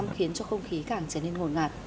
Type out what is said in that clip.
khiến cho không khí càng trở nên ngồn ngạt